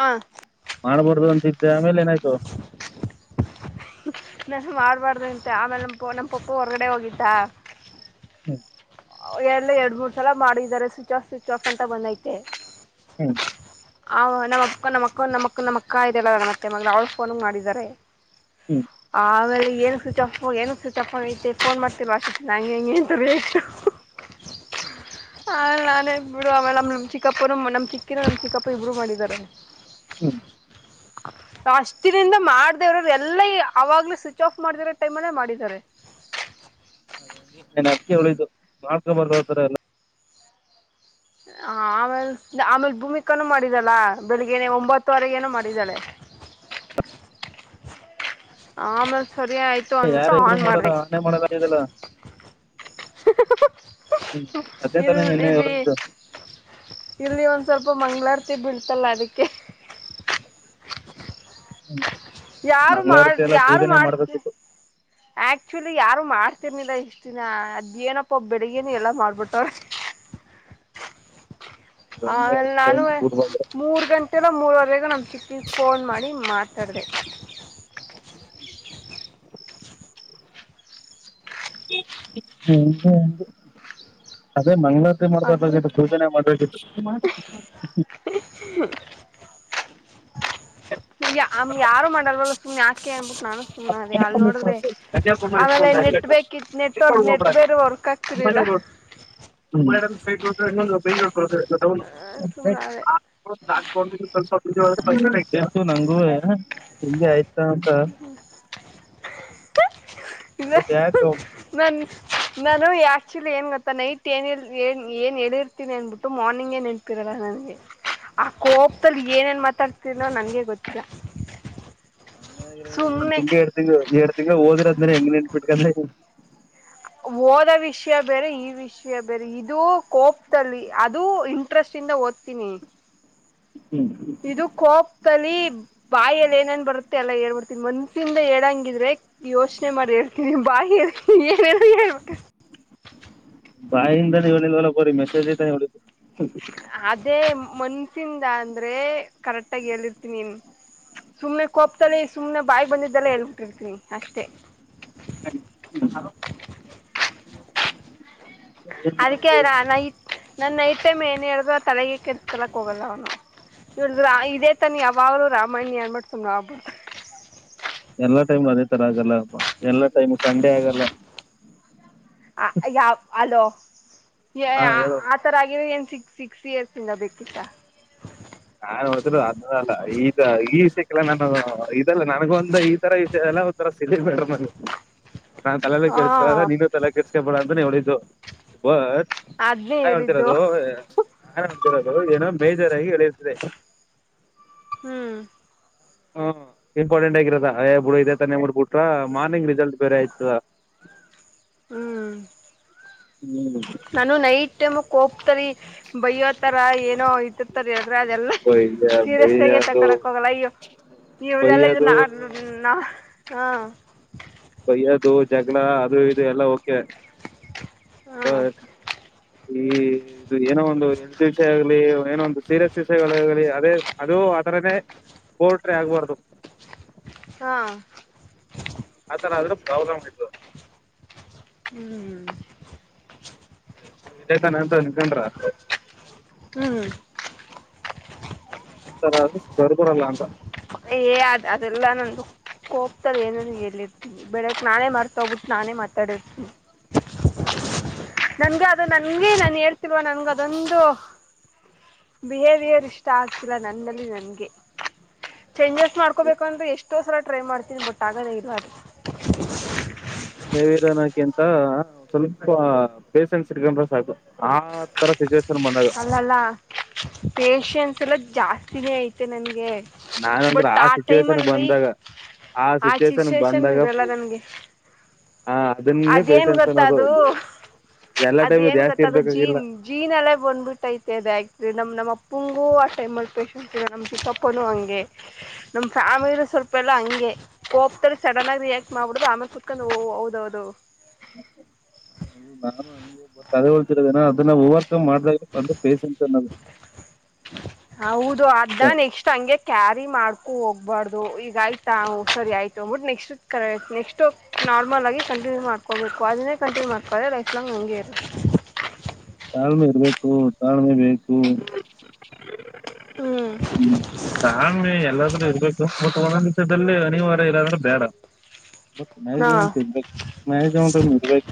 ಹಾ ಮಾಡ್ಬಾರದು ಅಂತಿದ್ದೆ ಮೇಲೆನಾಯ್ತು- ನಾನ ಮಾಡಬಾರ್ದಂತೆ ಆಮೇಲೆ ನಮ್ಮ ನಮ್ಮ ಪಪ್ಪು ಹೊರಗಡೆ ಹೋಗಿದ್ದ ಹ್ಮ ಎಲ್ಲೊ ಎರಡ್ಮೂರ್ ಸಲ ಮಾಡಿದ್ದಾರೆ ಸ್ವಿಚ್ ಆಫ್ ಸ್ವಿಚ್ ಆಫ್ ಅಂತ ಬಂದೈತೆ. ಹ್ಮ ಆ ನಮ್ಮ ಅಕ್ಕ ನಮ್ಮ ಅಕ್ಕ ನಮ್ಮ ಅಕ್ಕ ನಮ್ಮ ಅಕ್ಕ ಇದಳಲ್ಲ ನಮತ್ತೆ ಮಗ್ಳು ಅವ್ಳ್ ಫೋನಿಗ್ ಮಾಡಿದ್ದಾರೆ. ಹ್ಮ್ ಆವಳಿ ಏನಿಕ್ ಸ್ವಿಚ್ ಆಫ್ ಏನಿಕ್ ಸ್ವಿಚ್ ಆಫ್ ಆಗೖತೆ ಫೋನ್ ಮಾಡ್ತೀಲ್ವ ಅಷ್ಟ್ ಹಂಗೆ ಹಿಂಗೆ ಅಂತ ರೇಗ್ [inaudible] ಆಲ್ ನಾನೇ ಬಿಡು ಅಮೇಲ್ ನಮ್ಮ ನಮ್ಮ ಚಿಕ್ಕಪ್ಪರು ನಮ್ಮ ಚಿಕ್ಕಿರು ನಮ್ಮ ಚಿಕ್ಕಪ್ಪ ಇಬ್ರು ಮಾಡಿದ್ದಾರೆ. ಹ್ಮ ಅಷ್ಟಿದಿನಿಂದ ಮಾಡ್ದೇವ್ರರು ಎಲ್ಲ ಅವಾಗ್ಲೇ ಸ್ವಿಚ್ ಆಫ್ ಮಾಡ್ತಿರೋ ಟೈಮಲ್ಲೇ ಮಾಡಿದ್ದಾರೆ. ನಾನ್ ಅದ್ಕೆ ಹೇಳಿದು ಮಾಡ್ಕೊಬಾರ್ದಾತರ ಎಲ್ಲ. ಹ ಆಮೇಲ್ ಆಮೇಲ್ ಭೂಮಿಕಾನೂ ಮಾಡಿದ್ದಾಳ ಬೆಳಿಗ್ಗೆನೆ ಒಂಬತ್ತುವರೆಗೇನೊ ಮಾಡಿದ್ದಾಳೆ. ಹಾ ಮಸ್ ಮತ್ತೆ ಯಾರೆದ್ರು ಮಾಡಲ್ಲ ಅಣ್ಣೆ ಮಾಡದಾಗಿದಲ್ಲ. ಹ್ಮ ಅದ್ನೆ ಇಲ್ ತಾನೇ ನಿನ್ನೆ ಇಲ್ಲಿ ಹೇಳಿದ್ದು. ಇಲ್ಲಿ ಒಂದ್ ಸ್ವಲ್ಪ ಮಂಗ್ಗಳಾರತಿ ಬೀಳ್ತಲ್ಲ ಅದಕ್ಕೆ. ಹ್ಮ್ ಯಾರು ಮಾಡ್ ಯಾರು ಮಾಡ್ತಿ ಮಾಡ್ಬೇಕಿತ್ತು ಆಕ್ಚುಲಿ ಯಾರು ಮಾಡ್ತಿರ್ನಿಲ್ಲ ಇಷ್ಟ್ ದಿನ ಅದೇನಪ್ಪ ಬೆಳಿಗ್ಗೆನೆ ಎಲ್ಲ ಮಾಡ್ಬಿಟ್ಟವ್ರೆ. ಹಂಗೆ ಆಮೇಲೆ ಟೈಮ್ ನಾನುವೆ ಕೂಡ್ ಬಂದ್ರೆ ಮೂರ್ ಗಂಟ್ ಲೊ ಮೂರುವರೆಗೆ ನಮ್ಮ್ ಚಿಕ್ಕಿಗೆ ಫೋನ್ ಮಾಡಿ ಮಾತಾಡ್ದೆ. [inaudible] ಹ್ಮ [unintelligible] ಅದೇ ಮಂಗಳ್ ತಿ ಮಾಡ್ಬಾರ್ದಾಗಿತ್ತು ಪೂಜೆನೆ ಮಾಡ್ಬ್ ಇಷ್ಟ್ ಮಾಡ [inaudible] ಸಧ್ಯ ಅಮ್ ಯಾರು ಮಾಡಲ್ವಲ್ಲ ಸುಮ್ನ್ ಯಾಕ್ ಕೆ [unintelligible] [unintelligible] [unintelligible] [unintelligible] ಆಮೇಲೆ ನೆಟ್ ಬೇಕಿತ್ ನೆಟ್ ಅವ್ರ ನೆಟ್ ಬೇರೆ ವರ್ಕ್ ಆಗ್ತಿರ್ಲಿಲ್ಲ ಸುಮ್ನೆ ಅದೇ ನಂಗೂವೇ ಹಿಂಗೆ ಆಯ್ತು. [unintelligible] ಬಟ್ ಯಾಕ ನನ್ನ್ ನಾನು ಆಕ್ಚುಲಿ ಏನ್ ಗೊತ್ತಾ ನೈಟ್ ಏನ್ ಏನ್ ಏನ್ ಹೇಳಿರ್ತೀನಿ ಅನ್ಬಿಟ್ಟು ಮಾರ್ನಿಂಗೇ ನೆನ್ಪಿರಲ್ಲ ನನ್ಗೆ ಆ ಕೋಪದಲ್ಲಿ ಏನೇನ್ ಮಾತಾಡ್ತೀನೋ ನನ್ಗೇ ಗೊತ್ತಿಲ್ಲ. ಅ ಒಂದು ಸುಮ್ನೆ ತಿಂಗ್ಳು ಎರಡ್ತಿಂಗ್ಳು ಈಗ ಓದಿರದೆಲ್ಲ ಹೆಂಗ್ ನೆನ್ಪಿಡ್ಕಂಡೇ. ಓದ ವಿಷ್ಯ ಬೇರೆ ಈ ವಿಷ್ಯ ಬೇರೆ ಇದು ಕೋಪ್ದಲ್ಲಿ ಅದು ಇಂಟ್ರೆಸ್ಟಿಂದ ಓದ್ತೀನಿ. ಹ್ಮ್ ಇದು ಕೋಪ್ದಲ್ಲಿ ಬಾಯಲ್ಲಿ ಏನೇನ್ ಬರುತ್ತೆ ಎಲ್ಲ ಹೇಳ್ಬಡ್ತೀನಿ ಮನ್ಸಿಂದ ಹೇಳಂಗಿದ್ರೆ ಯೋಚನೆ ಮಾಡ್ ಹೇಳ್ತೀನಿ ಬಾಯಿಲ್ಲಿ ಏನೇನೋ ಹೇಳ್ಬೇಕ ಬಾಯಿಂದಾನು ಹೇಳಿಲ್ವಲ್ಲ. ಬ ಮೆಸಜೖತೆ ಎ ಅದೇ ಮನ್ಸಿಂದ ಅಂದ್ರೆ ಕರೆಕ್ಟ್ಗಾಗ್ ಹೇಳಿರ್ತೀನಿ ಸುಮ್ನೆ ಕೋಪದಲ್ಲಿ ಸುಮ್ನೆ ಬಾಯಿ ಬಂದಿದ್ದೆಲ್ಲ ಹೇಳ್ಬಿಟ್ಟಿರ್ತೀನಿ ಅಷ್ಟೆ. [inaudible] ಅದಕ್ಕೆ ನಾ ನೈಟ್ [unintelligible] ಇವರ್ದ್ ಇದೇ ತಾನಿ ಯಾವಾಗ್ಲೂ ರಾಮಾಯಣಿ ಅನ್ ಬುಟ್ಟ್ ಸುಮ್ನಾಗಿ ಬಿಡ್ತಿ ಎಲ್ಲಾ ಟೈಮ್ ಅದೇ ತರ ಆಗಲ್ಲಪಾ ಎಲ್ಲಾ ಟೈಮ್ ಸಂಡೆ ಆಗಲ್ಲ. ಅ ಯಾವ ಅಲೋ. ಯ ಹಾ ಹೇಳು ಆ ತರ [unintelligible] ಸಿಕ್ ಸಿಕ್ಸ್ ಇಯರ್ಸ್ ಇಂದ ಬೇಕಿತ್ತ. [unintelligible] ಈದ್ ಈ ವಿಷಯಕ್ಕೆಲ್ಲ ನಾನು ಇದೆಲ್ಲ ನನ್ಗೊಂದ ಈ ತರ ವಿಷಯಲ್ಲ ಒಂಥರಾ ಸಿಲ್ಲಿ ಮ್ಯಾಟರ್ [unintelligible] ನಾ ತಲೆೇಲೆ ಕೆರ್ಸ್ಕೋರ್ ಹಾ ನೀನು ತಲೆಕೆಡಿಸ್ಕೊಬೇಡ ಅಂ [unintelligible] [unintelligible] ಅದ್ನೇ ಹೇಳಿದ್ದು ಹೇಳ್ತಿರೋದು ಎ. ಯಾರ್ ಹೊಡದಿರೋದು ಏನೋ ಬೇಜಾರಾಗಿ ಹೇಳಿ ತ್ತದೆ ಹ್ಮು ಹೂ ಇಂಪಾರ್ಟೆಂಟ್ ಆಗಿರದ ಎ ಬಿಡು ಇದೆ ತಾನೆ ಮುಡ್ಬಿಟ್ರ ಮಾರ್ನಿಂಗ್ ರಿಸಲ್ಟ್ ಬೇರೆ ಆಯ್ತದ. ಹ್ಮು ಹ್ಮು ನಾನು ನೈಟ್ ಟೈಮ್ ಕೋಪ್ ತರಿ ಬೈಯೊ ತರ ಏನೋ ಇಟ್ಟಿರ್ತಾರೆ. ರ ಅದೆಲ್ಲ ಬಯ್ಯ ಸೀರಿಯಸ್ ಆಗೆ ಬೈಯ್ಯೋದು ತಕಳಕ್ ಹೋಗಲ್ಲ ಅಯ್ಯೋ ಬೈಯ್ಯೋದು [unintelligible] ಹಾ ಬೈಯೋದು, ಜಗಳ ಅದು ಇದು ಎಲ್ಲಾ ಓಕೆ. ಹಾ [unintelligible] ಈ ಇದು ಏನೋ ಒಂದು ಹೆಲ್ತ್ ವಿಷಯ ಆಗ್ಲಿ ಏನೋ ಒಂದು ಸೀರಿಯಸ್ ವಿಷಯಗಳ ಆಗ್ಲಿ ಅದೇ ಅದು ಆಥರನೇ ಪೋಲ್ಟ್ರಿ ಆಗ್ಬಾರ್ದು. ಆ ಆತರ ಆದ್ರ ಪ್ರಾಬ್ಲಮ್ ಆಯ್ತದ. ಹ್ಮು ಇದೇತಾನೆ ಅಂತ್ ಅನ್ಕೊಂಡ್ರ ಹ್ಮು [unintelligible] ಏ ಅದ್ ಅದೆಲ್ಲಾ ನಂದು ಕೋಪ್ತದಲ್ಲಿ ಏನೇನ್ ಹೇಳಿರ್ತಿನಿ ಬೆಳಕ್ ನಾನೇ ಮರ್ತ ಹೋಗ್ಬಿಟ್ಟ ನಾನೇ ಮಾತಾಡಿರ್ತೀನಿ ನನ್ಗೆ ಅದು ನನ್ಗೆ ನಾನ ಹೇಳ್ ಳ್ತಿಲ್ವಾ ನಂಗ ಅದೊಂದು ಬಿಹೇವಿಯರ್ ಇಷ್ಟ ಆಗ್ತಿಲ್ಲ ನನ್ನಲ್ಲಿ ನನ್ಗೆ. ಚೇಂಜಸ್ ಮಾಡ್ಕೋಬೇಕು ಅಂದ್ರೆ ಎಷ್ಟೋ ಸಲ ಟ್ರೈ ಮಾಡ್ತೀನಿ ಬಟ್ ಆಗೊದೆ ಇಲ್ಲಾ ಅದು. ದೇವಿಧಾನಕಿಂತ ಸ್ವಲ್ಪ ಪೇಷನ್ಸ್ ಇಡ್ಕೊಂಡ್ರೆ ಸಾಕು ಆ ತರ ಸಿಚುವೇಷ ಅಲ್ಲ ಅಲ್ಲಾ ಪೇಷ ಷನ್ಸ್ ಎಲ್ಲ ಜಾಸ್ತಿನೇ ಐತೆ ನನ್ಗೆ. ನಾನ್ಂದ್ರೆ ಆ ಸಿಚುವೇಶನ್ ಬಂದಾಗ ಆ ಸಿಚುವೇಶನ್ ಸಿಚುವೇೇಶನ್ ಬಂದಾಗ ಇರಲ್ಲ ನನ್ಗೆ ಆ ಅದನ್ನೇ ಅದೇನ್ ಪೆಷನ್ಸ್ ಗೊತ್ತ ಅನ್ನೋದು ಅದು ಎಲ್ಲಾ ಟೈಮ್ ಜಾಸ್ತಿ ಇರ್ಬೇಕಾಗಿಲ್ಲ. ಬಂದ್ ಬಿಟ್ಟ ಐತೆ ಅದ್ ಆಕ್ ನಮ್ ನಮ್ಮ ಅಪ್ಪಂಗೂ ಆ [unintelligible] ನಮ್ ಚಿಪ್ಪನು ಹಂಗೆ ನಮ್ ಫ್ಯಾಮಿಲಿ ಸ್ವಲ್ಪ ಎಲ್ಲಾ ಹಂಗೆ ಕೋಪ್ತದಲ್ಲಿ ಸಡನ್ ಆಗಿ ರಿಯಾಕ್ಟ್ ಮಾಡ್ಬಿಡೋದು ಆಮೇಲ ಕುತ್ಕೊಂಡು ಓ ಓ ಹೌದ್ ಹೌದು [unintelligible] ಒಂದು ಪೇಷನ್ಸ್ ಅನ್ನೋದು ಹೌದ್ ದು ಅದ ನೆಕ್ಸ್ಟ್ ಹಂಗೆ ಕ್ಯಾರಿ ಮಾಡ್ ಹೋಗ್ಬಾರ್ದು ಈಗ ಆಯ್ತಾ ಹೂ ಸರಿ ಆಯ್ತು [unintelligible] ನೆಕ್ಸ್ಟ್ ನೆಕ್ಸ್ಟು ನಾರ್ಮಲ್ ಆಗಿ ಕಂಟಿನ್ಯೂ ಮಾಡ್ಕೋಬೇಕು ಅದನ್ನೇ ಕಂಟಿನ್ಯೂ ಮಾಡ್ಕೊಳ್ಳ ಇಲ್ಲಾ ಲೈಫ್ ಲಾಂಗ್ ಹಂಗೆ ಇರು ತಾಳ್ಮೆ ಇರ್ಬೇಕು ತಾಳ್ಮೆ ಬೇಕು. ಹ್ಮ್ ಹ್ಮು ತಾಳ್ಮೆ ಎಲ್ಲಾದ್ರೂ ಇರ್ಬೇಕು. ಬಟ್ ಒಂದೊಂದ್ ವಿಷದಲ್ಲಿ ಅನಿವಾರ್ಯ ಇರಾದ್ರೆ ಬೇಡ. ಹಾ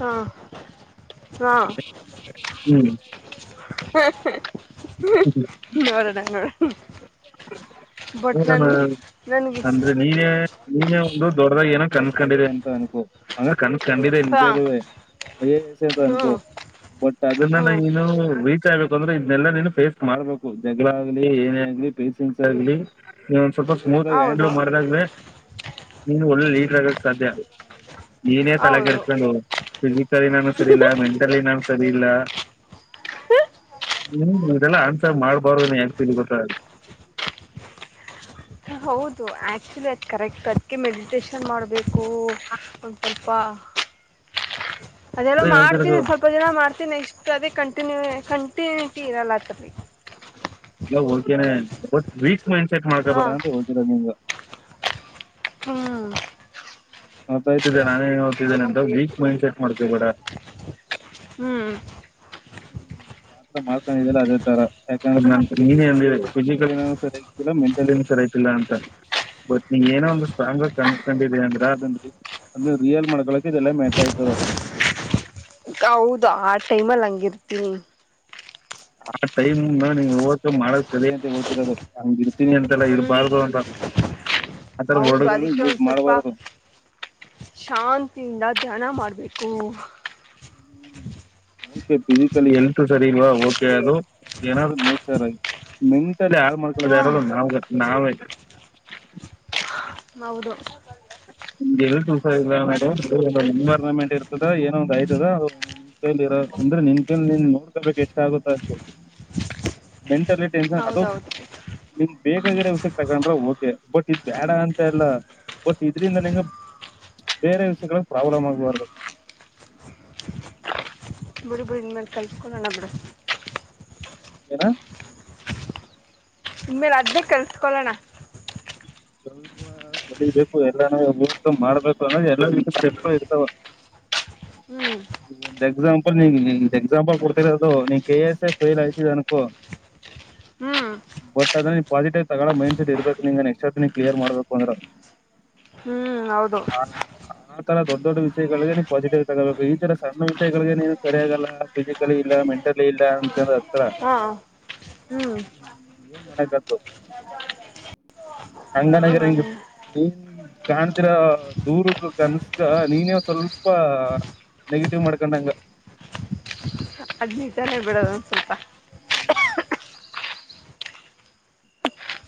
ಹಾ ಹಾ ಹ್ಮು ನೋಡೋಣ ನೋಡೊ ಊಟ ಮಾಡ್ ನನಗೆ ಅಂದ್ರೆ ನೀನೇ ನೀನೇ ಒಂದು ದೊಡ್ಡದಾಗ ಏನೊ [unintelligible] ಕನ್ಸ್ ಕಂಡಿದೆ ಹಾ ನಿಜಾಲುವೆ [unintelligible] ಹ್ಞೂ ಅನ್ಕೋ ಬಟ್ ಅದನ್ನ ಹ್ಞೂ ನಾ ಇನು ರೀಚ್ ಆಗ್ಬೇಕ್. ಅಂದ್ರೆ ಇದ್ನೇಲ್ಲಾ ನೀನು ಫೇಸ್ ಮಾಡ್ಬೇಕು ಜಗಳಾಗಲಿ ಏನೇ ಗ್ಲಿ ಪೇಷನ್ಸ್ ಆಗ್ಲಿ ಸ್ವಲ್ಪ ಸ್ಮೂತ್ ಆಗಿ ಹ್ಯಾಂಡ್ಲ ಹೌದು ಮಾಡಿದಾಗ್ಲೆ ನೀನು ಒಳ್ಳೆ ಲೀ [unintelligible] ಸಾಧ್ಯ. ನೀನೆ ತಲೆ ಹೌದು ಕೆಡ್ಸಕೊಂಡೊ ಫಿಸಿಕಲಿ ನಾನು ಸರಿ ಇಲ್ಲ ಮೆಂಟಲಿ ನಾನು ಸರಿ ಇಲ್ಲ. ಹ್ಮು ಅದೆಲ್ಲಾ ಆನ್ಸರ್ ಮಾಡ [unintelligible] [inaudible] ಹೌದು ಆಕ್ಚುಲಿ ಅದ್ ಕರೆಕ್ಟ್ ಅದ್ಕೆ ಮೆಡಿಟೇಷನ್ ಮಾಡ್ಬೇ ಕು ಒಂದ್ ಸ್ವಲ್ ಪಾ ಅದ್ ಏನೋ ಅದೇ ಹೇಳ್ತಿರೋದು ಮಾಡತೀನಿ ಸ್ವಲ್ಪ ಜನ ಮಾಡ್ತಿನಿ ನೆಕ್ಸ್ ತ್ತದಿ ಕಂಟಿನ್ಯೂ ಕಂಟಿನ್ಯೂಟಿ ಇರಲ್ಲ [unintelligible] ಓಕೆನೆ ಬಟ್ ವೀಟ್ ಮೈಂಡ್ ಸೆಟ್ ಹಾ ಮಾಡ್ಕಬ್ಯಾಡ್ ಅಂತ್ [unintelligible] ಹ್ಮು ಮತ್ ಆಯ್ತಿದೆ ನಾನೇ [unintelligible] ಅಂತ ವೀಕ್ ಮೈಂಡ್ ಸೆಟ್ ಮಾಡ್ಕೊಬ್ಯಾಡಾ. ಹ್ಮು ನ ಮಾಡ್ಕೊಂಡಲ್ಲ ಅದೇ ತರ ಯಾಕಂದ್ರ [unintelligible] ಅಂತ ಬಟ್ ನೀ ಏನೋ ಸ್ಟ್ರಾಂಗ್ ಆಗಿ ಕೊಂಡ ಅಂದ್ರ [unintelligible] ರಿಯಲ್ ಮಾಡ್ಕೊಳಕೆ ಇದೆಲ್ಲ ಮ್ಯಾಟರ್ ಆಯ್ತದ. ಹೌದ್ ಆ ಟೈಮಲ್ಲಿ ಹಂಗಿರ್ತಿನಿ. ಆ ಟೈಮ್ನ ನೀ ನೋಡ್ಕೊಂಡ್ ಮಾಡೋದ್ ಕಲಿ ಅಂತ್ ಹೇಳ್ತಿರೋದು ಹಂಗ ಇರ್ತೀನಿ ಅಂತೆಲ್ಲ ಹ್ಮ್ ಇರಬಾರ್ದು ಅಂತ ಆತರ ಹೌದು ವರ್ಡ್ಗಳನ್ನ ಅದಕ್ಕೆ ಯೂಸ್ ಒಂದ ಸ್ವಲ್ಪ ಮಾಡಬಾರದು ಶಾಂತಿಯಿಂದ ಧ್ಯಾನ ಮಾಡ್ಬೇಕು. ಓಕೆ ಫಿಸಿಕಲಿ ಹೆಲ್ತ್ ಸರಿ ಇಲ್ವಾ ಓಕೆ ಅದು ಏನಾದರು ನೇಚರ ಆಗಿ ಹ್ಮು. [unintelligible] ಮಾಡ್ಕೊಳ್ಳೋದು ಹಾ ಯಾರು ನಾವ್ ನಾವೇ. ಹೌದು [unintelligible] ಎನ್ವಿರೊಂನ್ಮೆಂಟ್ ಇರ್ತದ ಏನೋ ಅಂದ್ ಆಯ್ತದ [unintelligible] [unintelligible] ನೋಡ್ಕೊಬೇಕ್ ಎಷ್ಟ ಆಗುತ್ತ ಅಂತ್ ಹೇ ಮೆಂಟಲಿ ಟೆನ್ಷನ್ ಅದು ಹೌದೌದು ನಿ ಬೇಕಾಗಿರ ವಿಷಯಕ್ಕೆ ತಗೊಂಡ್ರ ಓಕೆ ಬಟ್ ಇದ್ ಬ್ಯಾಡಾ ಅಂತ ಇಲ್ಲ ಬಟ್ ಇದ್ರಂದ ನಿಂಗ ಬೇರೆ ವಿಷಯಗಳ ಪ್ರಾಬ್ಲಮ್ ಆಗ್ಬಾರ್ದು. ಬುಡು ಬುಡು ಇನ್ ಮೇಲೆ ಕಲ್ಕೊಳಣಾ ಬಿಡು ಏನಾ ಇನ್ ಮೇಲೆ ಅದೇ ಕಲ್ತ್ಕೋಳನ. ಎಲ್ಲಾ ಕಲಿಬೇಕು ಎಲ್ಲ ನಮಗ್ ಬೇಕು ಮಾಡ್ಬೇಕು ಅಂದ್ರೆ ಎಲ್ಲ ಸ್ಟೇಪ್ ಇರ್ತಾವ ಹ್ಮ್ ಒಂದ್ ಎಕ್ಸಾಂಪಲ್ ನೀ ಎಕ್ಸಾಂಪಲ್ ಕೊಡ್ತಿರೋದು ನೀ ಕೆ-ಎಸ್-ಎಸ್-ಎ ಫೈಲ್ ಆಯ್ತಿದಿ ಅನ್ಕೋ ಹ್ಮ್ ಬಟ್ ಅದನ್ ನೀ ಪಾಸಿಟಿವ್ ತಗಳೊ ಮೈಂಡ್ಸೆಟ್ ಇರ್ಬೇಕು [unintelligible] ನೆಸ್ಟ್ ಸತಿ ಕ್ಲಿಯರ್ ಮಾಡ್ಬೇಕು ಅಂದ್ರ. ಹ್ಮು ಹೌದು. ಆ ಆ ತರ ದೊಡ್ಡ್ ದೊಡ್ಡ್ ವಿಷಗಳೇ ನೀ ಪಾಸಿಟಿವ್ ಆಗಿ ತಗೋಬೇಕು ಈ ತರ ಸಿ ಸಣ್ಣ ವಿಷಯಗಳಿಗೆ ನೀನು ಸರಿಯಾಗಲ್ಲ ಫಿಸಿಕಲಿ ಇಲ್ಲ ಮೆಂಟಲಿ ಇಲ್ಲ [unintelligible] ಹತ್ರ ಹಾ ಹ್ಮ್ ಏನ್ ಮಾಡಾಕ್ ಆತದ. ಹ [unintelligible] ಕಾಣ್ತಿರೊ ದೂರದ ಕನ್ಸಕ ನೀನೇ ಒಂದ್ ಸ್ವಲ್ಪ ನೆಗೆಟಿವ್ ಮಾಡ್ಕೊಂಡಂಗ್. ಅದ್ನಿಟನೇ ಬಿಡೋದ ಒಂದ ಸ್ವಲ್ಪ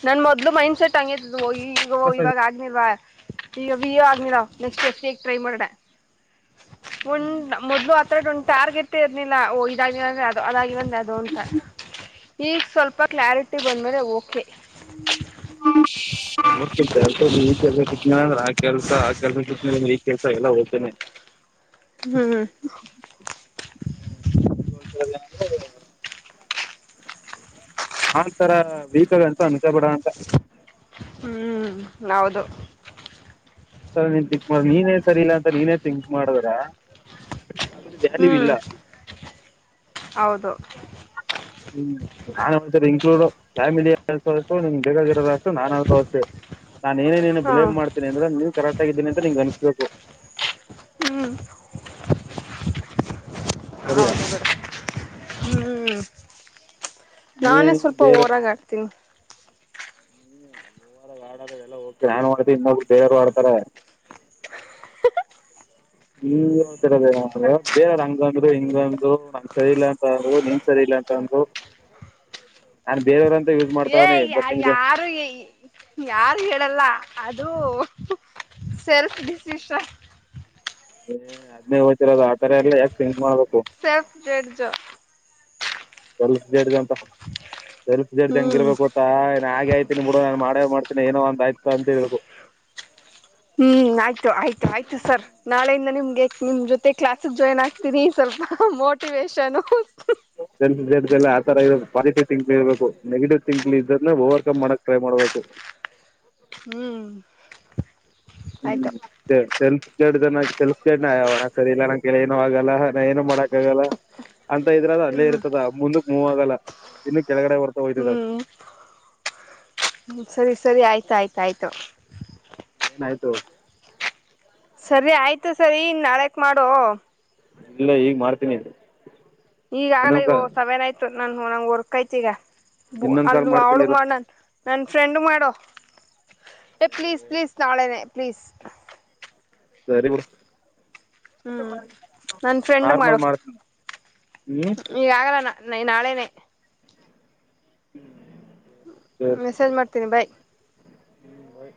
ನನ್ ಮೊದ್ಲು ಮೈಂಡ್ ಸೆಟ್ ಹಂಗಿ [unintelligible] ನೆಕ್ಸ್ಟ್ [unintelligible] ಟ್ರೈ ಮಾಡೋಣ. ಒಂದ್ ಮೊದ್ಲು ಆ ಆ ತರದೊಂದ್ ಟಾರ್ಗೆಟೆ ಇರ್ಲಿಲ್ಲ ಓ ಇದ ಆಗ್ಲಿಲ್ಲ ಅಂದ್ರೆ ಅದ್ ಆ ಇವಾಗ್ ಅದೋ [unintelligible] ಈಗ ಸ್ವಲ್ಪ ಕ್ಲಾರಿಟಿ ಬಂದ ಮೇಲೆ ಓಕೆ. [inaudible] [unintelligible] ಹ್ಮು ಆ ತರ [unintelligible] ಅನ್ಕಾಬೇಡಾ ಅಂತಾ. ಹ್ಮ್ ಹೌದು [unintelligible] ನೀನೇ ಸರಿ ಇಲ್ಲಾ ಅಂತ ನೀನೇ ತಿಂಕ್ ಮಾಡ್ಬ್ಯಾಡ [unintelligible] ಹ್ಮ್ ಇಲ್ಲ ಹೌದು ಹ್ಮು [unintelligible] ನಾನು ಅಷ್ಟೇ. ನಾನ್ ಏನೇನ್ ನೀನ್ ಹಾ ಬ್ಲೇಮ್ ಮಾಡ್ತಿನಿ ಅಂದ್ರ ನೀ ಕರೆಕ್ಟ್ ಆಗಿದ್ದೀನಿ ಅಂತ ನಿಂಗ್ ಅನ್ಸಸ್ಬೇಕು. ಹ್ಮ್ ಸರಿಯಾ ಹೌದು ಬಿಡು ಹ್ಮ್ ನೀನೇ ನಾನೇ ನಿನ್ ಸ್ವಲ್ಪ ಬೇರೆ ಓರಾಗಿ ಆಡ್ತೀನಿ. [unintelligible] ಇನ್ನೊಬ್ರು ಆಡ್ತಾರೆ. [unintelligible] ಬೇರೆಯವರು ಹಂಗಂದ್ರು ಹಿಂಗಂದ್ರು ನಂಗ್ ಸರಿ ಇಲ್ಲ ಅಂತ ಅಂದ್ರು ನೀನ್ ಸರಿ ಇಲ್ಲಾ ಅಂತ ಅಂದ್ರು [unintelligible] ಏ ಮಾಡ್ತಾವ್ನಿ ಯ ಬಟ್ ನಿಂಗೆ ಯಾರು ಯಾರು ಹೇಳಲ್ಲ. ಅದು ಸೆಲ್ಫ್ ಡಿಸಿಷನ್. ಎ [unintelligible] [unintelligible] [unintelligible] ಸ್ವಲ್ಪ್ [unintelligible] ಹ್ಮ್ ಇರ್ಬೇಕ್ಪಾ. ನಾ ಹಾಗೆ ಆಯ್ತೀನಿ ಬಿಡು ನಾನು ಮಾಡೇ ಮಾಡ್ತೀನಿ ಏನೋ ಒಂದ ಆಯ್ತು ಅಂತ ಹೇಳೋದು. ಹ್ಮು ಆಯ್ತು ಆಯ್ತು ಆಯ್ತು ಸರ್ ನಾಳೆಯಿಂದ ನಿಮ್ಗೆ ನಿಮ್ ಜೊತೆ ಕ್ಲಾಸ್ಗ್ ಜಾಯಿನ್ ಆಗ್ತೀನಿ ಸ್ವಲ್ಪ ಅಮೌಂಟ್ [unintelligible] [unintelligible] ಆತರಾ ಇರೋದು ಪಾಸಿಟಿವ್ ಥಿಂಕ್ ಇರ್ಬೇಕು ನೆಗೆಟಿವ್ ಥಿಂಕ್ ಇದ್ರನ್ನ ಓವರ್ಕಮ್ ಮಾಡಕ್ ಟ್ರೈ ಮಾಡ್ಬೇಕು. ಹ್ಮ್ ಹ್ಮು ಆಯ್ತು [unintelligible] ಎರಡು ಜನ ಸೆಲ್ಫ್ [unintelligible] ಸರಿ ಇಲ್ಲಾ ನಂಗ್ ಕಯಿಲೆ ಏನು ಆಗಲ್ಲ ನಾ ಏನು ಮಾಡಕ್ ಆಗಲ್ಲ ಅಂತ ಇದ್ರದ ಅಲ್ಲೇ ಹ್ಮ್ ಇರ್ತದ ಮುಂದ ಮೂವ್ ಆಗಲ್ಲ ಇನ್ನು ಕೆಳಗಡೆ ಹೊರ್ತಾ ಹೋಯ್ತಿದೆ. ಹ್ಮು ಸರಿ ಸರಿ ಆಯ್ತ ಆಯ್ತ ಆಯ್ತು. ಏನಾಯ್ತು ಸರಿ ಆಯ್ತು ಸರಿ ಇನ್ ನಾಳೆಕ್ ಮಾಡು. ಇಲ್ಲ ಈಗ್ ಮಾಡ್ತೀನಿ. ಈಗಾಗಲೇ ಇನ್ನೊಂದ್ ಕಾಲ್ [unintelligible] ನನ್ ನಂಗ್ ವರ್ಕ್ ಅಯ್ತಿ ಈಗ. ಬು ಇನ್ನೊಂದ್ ಕಾಲ್ ಅಲ್ಲಿ ಮಾಡ್ತೀನಿ ಅವಳಗ್ ಇರು ಮಾಡ್ನನ್. ನನ್ನ ಫ್ರೆಂಡು ಮಾಡೋ ಏ ಪ್ಲೀಸ್ ಪ್ಲೀಸ್ ನಾಳೆನೆ ಪ್ಲೀಸ್. ಸರಿ ಬುಡು. ಹ್ಮು ನನ್ ಫ್ರೆಂಡುಗ್ ಮಾಡು ಮಾಡ್ತೀನಿ ಹ್ಮ್ ಈಗ್ ಆಗಲ್ಲಾ ನಾ ನೖ ನಾಳೆನೇ ಸರಿ ಮೆಸೇಜ್ ಮಾಡ್ತೀನಿ ಬೈ. ಹ್ಮ್ ಬೈ.